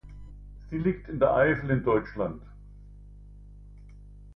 Sie liegt in der Eifel in Deutschland.